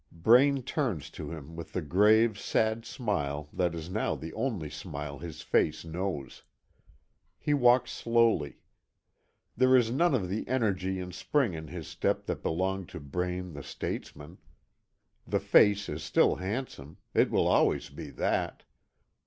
Braine turns to him with the grave, sad smile that is now the only smile his face knows. He walks slowly. There is none of the energy and spring in his step that belonged to Braine the statesman. The face is still handsome it will always be that.